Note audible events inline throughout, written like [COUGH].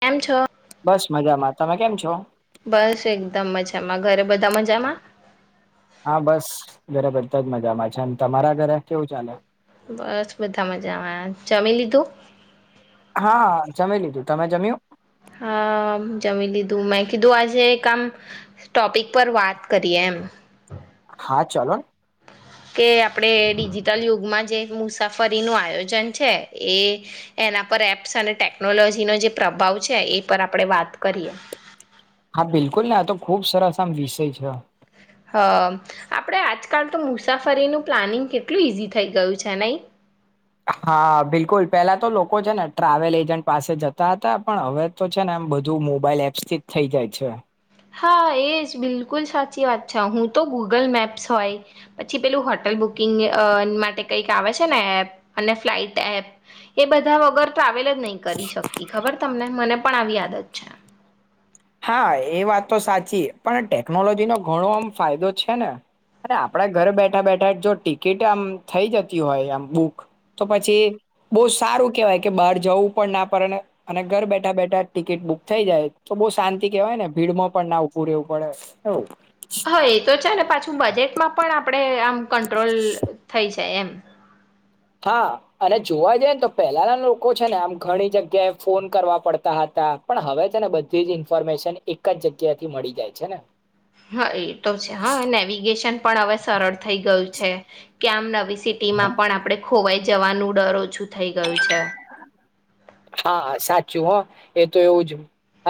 એમ છો બસ મજામાં. તમે કેમ છો? બસ એકદમ મજામાં ઘરે બધા મજામાં? હા બસ ઘરે બધા જ મજામાં છે. તમારા ઘરે કેવું ચાલે? બસ બધા મજામાં. જમી લીધું? હા જમી લીધું. તમે જમ્યું? હા જમી લીધું મેં કીધું આજે એક આમ ટોપિક પર વાત કરીએ એમ. હા ચલો. કે આપણે ડિજિટલ યુગમાં જે મુસાફરીનું આયોજન છે એ એના પર એપ્સ અને ટેકનોલોજીનો જે પ્રભાવ છે એ પર આપણેે વાત કરીએ હા બિલકુલ ને આ તો ખુબ સરસ આમ વિષય છે હ આપણે આજકાલ તો મુસાફરીનું પ્લાનિંગ કેટલું ઈઝી થઈ ગયું છે નઈ હા બિલકુલ પેલા તો લોકો છે ને ટ્રાવેલ એજન્ટ પાસે જતા હતા પણ હવે તો છે ને એમ બધું મોબાઈલ એપ્સથી જ થઇ જાય છે હા એજ બિલકુલ સાચી વાત છે હું તો ગૂગલ મેપ્સ હોય પછી પેલું હોટલ બુકિંગ અ માટે કઈક આવે છે ને એપ અને ફ્લાઇટ એપ એ બધા વગર ટ્રાવેલ નહી કરી શકતી ખબર તમને મને પણ આવી આદત છે હા એ વાત તો સાચી પણ ટેકનોલોજી નો ઘણો આમ ફાયદો છે ને અને આપડા ઘર બેઠા બેઠા જો ટિકિટ આમ થઇ જતી હોય આમ બુક તો પછી બહુ સારું કેહેવાય કે બહાર જવું પણ ના પડે અને ઘર બેઠા બેઠા ટિકિટ બુક થઈ જાય તો બહુ શાંતિ કેવાય ને ભીડમાં પણ ના ઉભું રહેેવું પડે એવું હા એ તો છે ને પાછું બજેટમાં પણ આપણેે આમ કંટ્રોલ થઈ છે તે એમ હા અને જોવા જઈએ ને તો પહેલાના લોકો છે ને આમ ઘણી જગ્યાએ ફોન કરવા પડતા હતા પણ હવે છેને બધી જ ઇન્ફોર્મેશન એક જ જગ્યાથી મળી જાય છે ને હા એ તો છે હા નેવિગેશન પણ હવે સરળ થઈ ગયું છે કે્યામ નવી સિટીમાં પણ આપણે ખોવાઈ જવાનું ડરો છું થઈ ગયું છે જુ હ એ તો એવું જ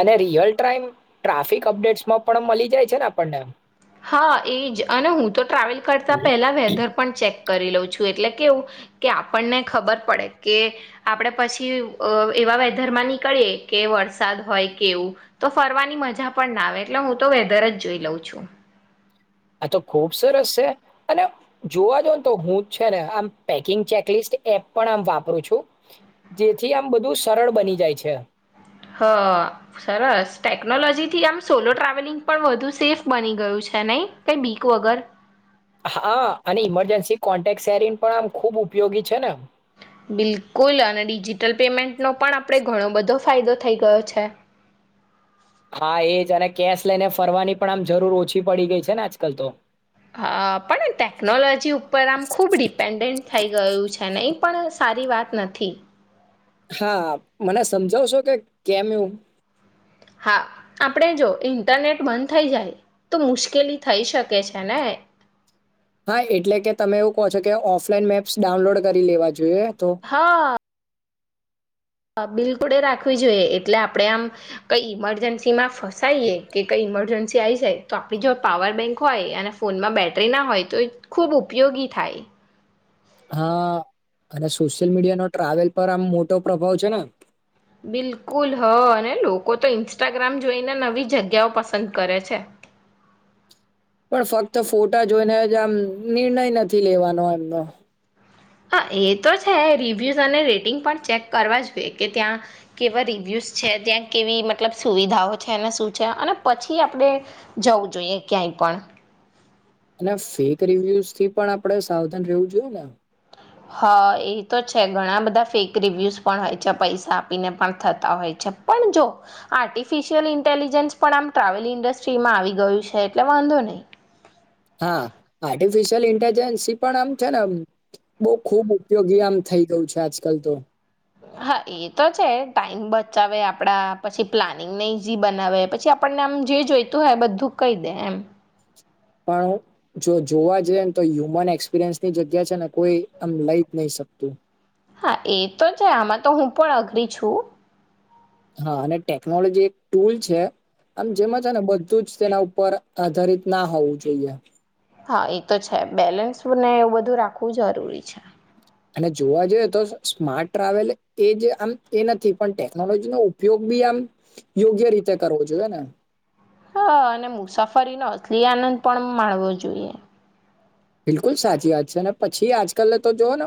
અને રિયલ ટાઈમ ટ્રાફિક અપડેટ્સમાં પણ મળી જાય છે ને આપણને હા એજ અને હું તો ટ્રાવેલ કરતા પહેલા વેદર પણ ચેક કરી લઉં છું એટલે કેવું કે આપણને ખબર પડે કે આપડ પછી એવા વેદરમાં નીકળીએ કે વરસાદ હોય કેવું તો ફરવાની મજા પણ ના આવે એટલે હું તો વેદર જ જોઈ લઉ છું આ તો ખુબ સરસ છે અને જોવા જ ને તો હું છે ને આમ પેકિંગ ચેકલિસ્ટ એપ પણ આમ વાપરું છું જેથી આમ બધું સરળ બની જાય છે હ સરસ ટેકનોલોજી થી આમ સોલો ટ્રાવેલિંગ પણ વધુ સેફ બની ગયું છે નહી કઈ બીક વગર હા અને ઈમરજન્સી કોન્ટેક સેરીિન પણ આમ ખુબ ઉપયોગી છે નેમ બિલકુલ અને ડિજિટલ પેમેન્ટનો પણ આપણે ઘણો બધો ફાયદો થઈ ગયો છે હા એજ અને કેશ લઈને ફરવાની પણ આમ જરૂર ઓછી પડી ગઈ છે ને આજકાલ તો હા પણ ટેકનોલોજી ઉપર આમ ખૂબ ડિપેન્ડન્ટ થઈ ગયું છે નહીં પણ સારી વાત નથી હા મને સમજાવશો કે કેમ એવું હા આપણે જો ઇન્ટરનેટ બંધ થઈ જાય તો મુશ્કેલી થઈ શકે છે ને હા એટલે કે તમે એવું કહો છો કે ઓફલાઈન મેપ્સ ડાઉનલોડ કરી લેવા જોઈએ તો હા હા બિલકુડે રાખવી જોઈએ એટલે આપણે આમ કઈ ઈમરજન્સીમાં ફસાઈએ કે કંઈ ઈમરજન્સી આવી જાય તો આપણી જો પાવર બેંક હોય અને ફોનમાં બેટરી ના હોય તો એ ખૂબ ઉપયોગી થાય હા અને સોશિયલ મીડિયા ન ટ્રાવેલ પર આમ મોટો પ્રભાવ છે ને બિલકુલ હ અને લોકો તો ઇન્સ્ટાગ્રામ જોઈને નવી જગ્યાઓ પસંદ કરે છે પણ ફક્ત ફોટા જોઈનેજ આમ નિર્ણય નથી લેવાનો એમનો હા એ તો છે રિવ્યૂઝ અને રેટિંગ પણ ચેક કરવા જોઈએ કે ત્યાં કેવા રિવ્યૂઝ છે ત્યાં કેવી મતલબ સુવિધાઓ છે અને શું છે અને પછી આપણે જવું જોઈએ ક્યાંય પણ અને ફેક રિવ્યુઝ થી પણ આપણે સાવધાન રહેવું જોઈએ ને હા એ તો છે ઘણા બધા ફેક રિવ્યુઝ પણ હોય છે પૈસા આપીને પણ થતા હોય છે પણ જો આર્ટિફિશિયલ ઇન્ટેલિજન્સ પણ આમ ટ્રાવેલ ઇન્ડસ્ટ્રીમાં આવી ગયું છે એટલે વાંધો નહી હા આર્ટિફિશિયલ ઇન્ટેલિજન્સ પણ આમ છે ને બહુ ખુબ ઉપયોગી આમ થઈ ગયું છે આજકાલ તો હા એ તો છે ટાઈમ બચાવે આપડા પછી પ્લાનિંગને ઈઝી બનાવે પછી આપણને આમ જે જોઈતું હોય બધું કહી દે એમ પણ જો જોવા જઈએ ને તો હ્યુમન એક્સપિરિયન્સની જગ્યા છે ને કોઈ એમ લઈ જ નહી શકતું હા એ તો છે આમાં તો હું પણ અઘરી છું હા અને ટેકનોલોજી એક ટુલ છે આમ જેમાં છે ને બધું જ તેના ઉપર આધારિત ના હોવું જોઈએ. હા એ તો છે બેલેન્સ ને એવું બધું રાખવું જરૂરી છે. અને જોવા જોઈએ તો સ્માર્ટ ટ્રાવેલ એજ આમ એ નથી પણ ટેકનોલોજી નો ઉપયોગ બી આમ યોગ્ય રીતે કરવો જોઈએ ને. હ અને મુસાફરીનો અટલી આનંદ પણ માણવો જોઈએ. બિલકુલ સાચી વાત છે અને પછી આજકાલ તો જોવ ને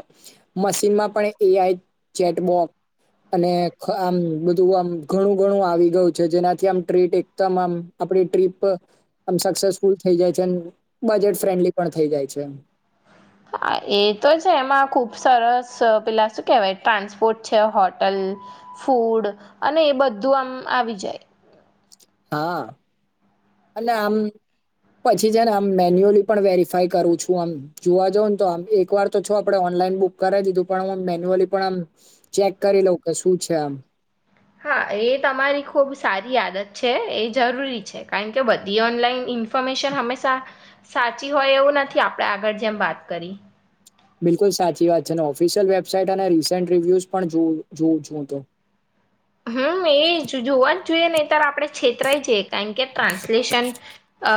મશીનમાં પણ એ આઈ ચેટબોક્સ અને આમ બધું આમ ઘણું ગણું આવી ગયું છે જેનાથી આમ ટ્રીટ એકદમ આમ આપડી ટ્રીપ આમ સક્સેસફુલ થઈ જાય છે બજેટ ફ્રેન્ડલી પણ થઇ જાય છે. છે. હા એ તો છે એમાં ખુબ સરસ પેલા શું કેહેવાય ટ્રાન્સપોર્ટ છે હોટલ ફૂડ અને એ બધું આમ આવી જાય. હા અને આમ પછી છે ને આમ મેન્યુઅલી પણ વેરીિફાય કરું છું આમ જોવા જઉ ને તો આમ એક વાર તો છો આપડે ઓનલાઈન બુક કરે દીધું પણમ મેન્યુઅલી પણ આમ ચેક કરી લઉ કે શું છે આમ. હા એ તમારી ખૂબ સારી આદત છે એ જરૂરી છે કારણ કે બધી ઓનલાઈન ઈન્ફોર્મેશન હંમેશા સાચી હોય એવું નથી આપણે આગળ જેમ વાત કરી. બિલકુલ સાચી વાત છે ને ઓફિશિયલ વેબસાાઈટ અને રિસેન્ટ રિવ્યુઝ પણ જો જો જો તો. હમ એજ જોવા જ જોઈએ નેત્યારે આપડે. ક્ષેત્ર જે કારણ કે ટ્રાન્સલેશન અ.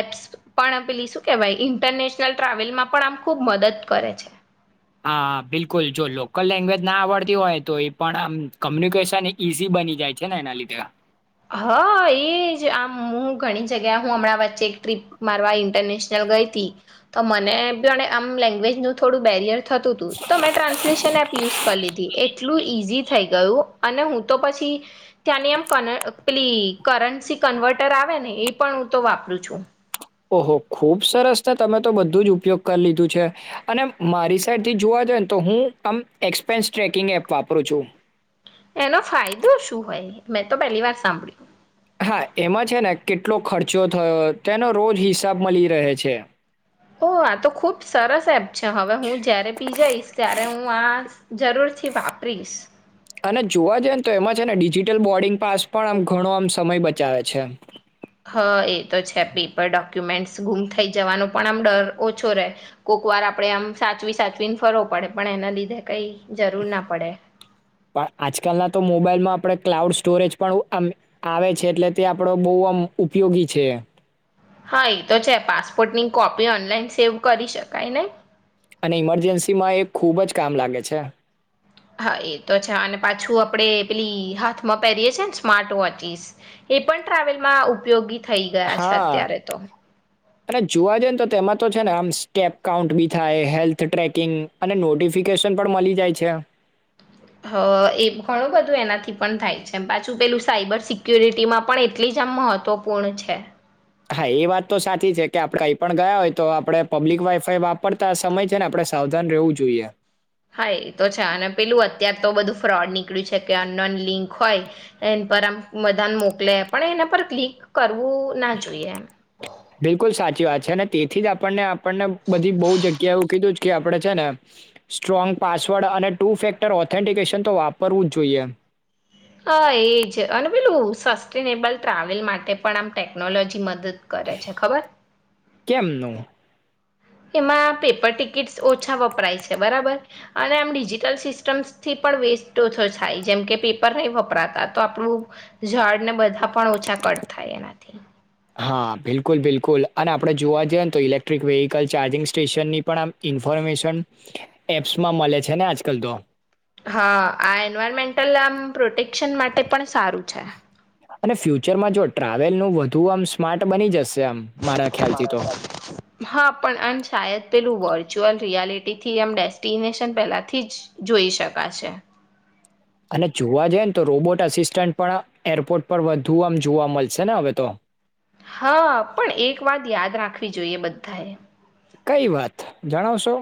એપ્સ પણ પેલી શું કેહેવાય ઇન્ટરનેશનલ ટ્રાવેલમાં પણ આમ ખુબ મદદ કરે છે. હા બિલકુલ જો લોકલ લેંગ્વેજ ના આવડતી હોય તો એ પણ આમ કોમ્યુનિકેશન ઈઝી બની જાય છે ને એના લીધે. હા એજ આમ હું ઘણી જગ્યા હું હમણાં વચ્ચે એક ટ્રીપ મારવા ઇન્ટરનેશનલ ગઈ હતી તો મને પણ આમ લેંગ્વેજ નું થોડું બેરિયર. થતું હતું તો મેં ટ્રાન્સલેશન એપ યુઝ કરી લીધી એટલું ઈઝી. થઈ ગયું અને હું તો પછી ત્યાંની એમ ક. પેલી કરંસી કન્વર્ટર આવે ને એ પણ હું તો વાપરું છું. ઓહો ખુબ સરસ ને તમે તો બધું જ ઉપયોગ કરી લીધું છે અને મારી સાઈડથી જોવા જઈએ ને તો હું આમ એક્સપેન્સ ટ્રેકિંગ એપ વાપરું છું. એનો ફાયદો શું હોય મેં તો પહેલી વાર સાંભળ્યું. હા એમાં છે ને કેટલો ખર્ચો થયો તેનો રોજ હિસાબ મળી રહે છે. ઓ આ તો ખુબ સરસ એપ છે હવે હું જયારે પી જઈશ ત્યારે હું આ. જરૂરથી વાપરીશ. અને જોવા જઈ ને તો એમાં છે ને ડિજિટલ બોર્ડિંગ પાસ પણ આમ ઘણો આમ સમય બચાવે છે. હા એ તો છે પેપર ડોક્યુમેન્ટસ ગુમ થઈ જવાનું. પણ આમ ડર ઓછો રહેે. કોઈકવાર આપણે આમ સાચવી સાચવીને ફરવો પડે પણ એના લીધે કંઈ. જરૂર ના પડે પણ આજકાલ ના તો મોબાઈલમાં આપણેે. ક્લાઉડ સ્ટોરેજ પણ આવે છે એટલે તે આપડો બહુમ ઉપયોગી છે. હા એ તો છે પાસપોર્ટની કોપી ઓનલાઈન સેવ કરી શકાય નને. અને ઈમરજન્સી માં એ ખૂબ જ કામ લાગે છે. હા એ તો છે અને પાછું આપણેે પેલી હાથમાં પહેરીએ છે ને સ્માર્ટ વોચિસ એ પણ ટ્રાવેલમાં ઉપયોગી. થઈ ગયા છે હા અત્યારે તો અને જોવા જઈને તો તેમાં. તો છે ને આમ સ્ટેપ કાઉન્ટ બી થાય હેલ્થ ટ્રેકિંગ અને નોટિફિકેશન પણ મળી જાય છે. હ એ ઘણું બધું એનાથી પણ થાય છે પાછું પેલું સાઈબર સિકુરિટીમાં પણ એટલી જ આમ મહત્વપૂર્ણ છે. હા એ વાત તો સાચી છે કે આપણે અહીં પણ ગયા હોય તો આપડણે પબ્લિક વાઈફાઈ વાપરતા સમય છે ને આપડણે સાવધાન રહેવું જોઈએ. હા એ તો છે અને પેલું અત્યાર તો બધું ફ્રોડ નીકળ્યું છે કે અનન લિંક હોય એ પર આમ બધાાન મોકલે પણ એના પર ક્લિક કરો. બિલકુલ સાચી વાત છે ને તેથી જ આપણને આપણને બધી બોજ જગ્યા એવું કીધું કે આપણે છે ને સ્ટ્રોંગ પાસવર્ડ અને ટુ ફેક્ટર ઓથેન્ટિકેશન તો વાપરવું જ જોઈએ. હા એજ અને પેલું સસ્ટેનેબલ ટ્રાવેલ માટે પણ આમ ટેકનોલોજી મદદ કરે છે ખબર. કેમ નું. એમાં પેપર ટિકિટ્સ ઓછા વપરાય છે બરાબર અને આમ ડિજિટલ સિસ્ટમ્સ થી પણ વેસ્ટ ઓછો થાય જેમ કે પેપર નહીં વપરાતા તો આપણું ઝાડ ને બધા પણ ઓછા કટ થાય એનાથી. કુલ અને આપણે જોવા જઈએ ને તો ઇલેક્ટ્રિક વેહકલ ચાર્જિંગ સ્ટેશનની પણ આમ ઇન્ફોર્મેશન એપ્સમાં મળે છે ને આજકાલ તો. હા આ એન્વાયરમેન્ટલ આમ પ્રોટેક્શન માટે પણ સારું છે. અને ફ્યુચરમાં જો ટ્રાવેલનું વધુ આમ સ્માર્ટ બની જશે આમ મારા ખ્યાલથી તો. હા પણ અન શાયદ પેલું [UNINTELLIGIBLE] વર્ચ્યુઅલ રિયાલિટીથી એમ ડેસ્ટિનેશન પહેલાથી જ જોઈ શકાશે. અને જોવા જઈ ને તો રોબોટ અસિસ્ટન્ટ પણ એરપોર્ટ પર વધુ આમ જોવા મળશે ને હવે તો. હા પણ એક વાત યાદ રાખવી જોઈએ બધાએ. કઈ વાત જણાવશો.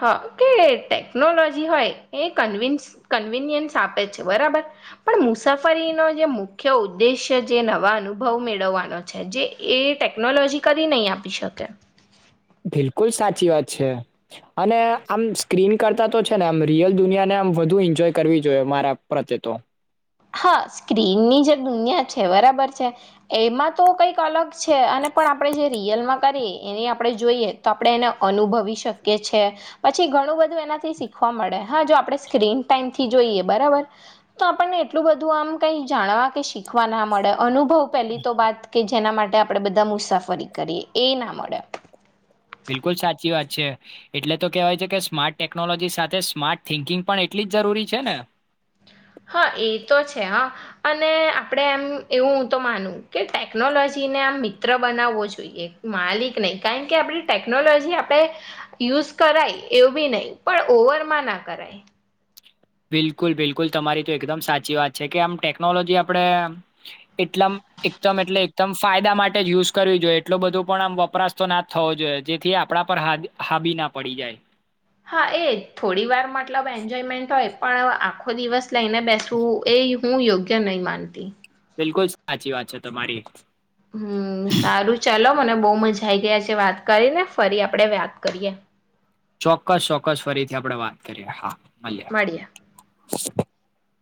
હા કે ટેકનોલોજી હોય એ કન્વિન્સ કન્વિન્સ્યન્સ આપે છે બરાબર પણ મુસાફરીનો જે મુખ્ય ઉદ્દેશ્ય જે નવા અનુભવ મેળવવાનો છે જે એ ટેકનોલોજી કદી નહી આપી શકે. બિલકુલ સાચી વાત છે અને આમ સ્ક્રીન કરતા તો છે ને આમ રિયલ દુનિયાને આમ વધુ એન્જોય કરવી જોઈએ મારા પ્રત્યે તો. હા સ્ક્રીનની જે દુનિયા છે બરાબર છે એમાં તો કંઈક અલગ છે અને પણ આપણે જે રિયલમાં કરીએ એની આપણે જોઈએ તો આપણે એને અનુભવી શકીએ છી પછી ઘણું બધું એનાથી શીખવા મળે હા જો આપણે સ્ક્રીન ટાઈમથી જોઈએ બરાબર તો આપણને એટલું બધું આમ કઈ જાણવા કે શીખવા ના મળે. અનુભવ પેલી તો વાત કે જેના માટે આપણે બધા મુસાફરી કરીએ. એ ના મળે બિલકુલ સાચી વાત છે. એટલે તો કેહેવાય છે કે સ્માર્ટ ટેકનોલોજી સાથે સ્માર્ટ થિંકિંગ પણ એટલી જ જરૂરી છે ને. હા એ તો છે હા અને આપણે એમ એવું તો માનું કે ટેકનોલોજીને આમ મિત્ર બનાવવો જોઈએ માલિક નહી કારણ કે આપડી ટેકનોલોજી આપણે યુઝ કરાય એવું બી નહી પણ ઓવરમાં ના કરાય. બિલકુલ બિલકુલ તમારી તો એકદમ સાચી વાત છે કે આમ ટેકનોલોજી આપડે એકદમ એટલે એકદમ ફાયદા માટે જ યુઝ કરવી જોઈએ એટલો બધું પણ આમ વપરાશ તો ના જ થવો જોઈએ જેથી આપણા પરા હાબ હાબી ના પડી જાય. હા એજ થોડી વાર મતલબ એન્જોયમેન્ટ હોય પણ આખો દિવસ લઈને બેસવું એ હું યોગ્ય કે નહી માનતી. બિલકુલ સાચી વાત છે તમારી. હમ્મ સારું ચાલો મને બો મજા આવી ગઈ આજે વાત કરીને ફરી આપડે વાત કરીએ. ચોક્કસ ચોક્કસ ફરીથી આપડે વાત કરીએ હા. મળીએ. [INAUDIBLE]